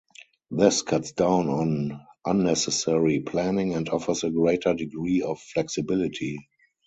This cuts down on unnecessary planning and offers a greater degree of flexibility.